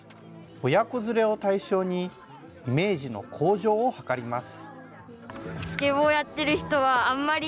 親子連れを対象に、イメージの向上を図ります。